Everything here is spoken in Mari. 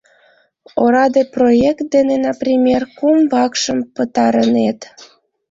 Ораде проект дене, например, кум вакшым пытарынет!